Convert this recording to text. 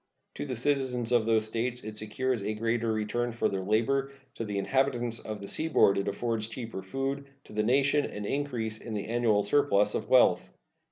To the citizens of those States it secures a greater return for their labor; to the inhabitants of the seaboard it affords cheaper food; to the nation, an increase in the annual surplus of wealth.